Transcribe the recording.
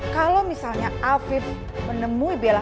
kalau misalnya afib menemui bella